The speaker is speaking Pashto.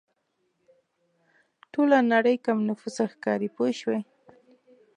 ټوله نړۍ کم نفوسه ښکاري پوه شوې!.